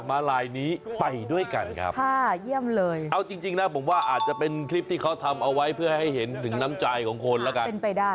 มาลายนี้ไปด้วยกันครับค่ะเยี่ยมเลยเอาจริงจริงนะผมว่าอาจจะเป็นคลิปที่เขาทำเอาไว้เพื่อให้เห็นถึงน้ำใจของคนแล้วกัน